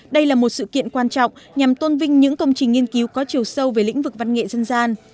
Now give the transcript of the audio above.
đây là một sự kiện quan trọng nhằm tôn vinh những công trình nghiên cứu có chiều sâu về lĩnh vực văn nghệ dân gian